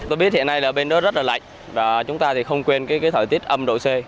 tôi biết hiện nay là bên đó rất là lạnh và chúng ta thì không quên cái thời tiết âm độ c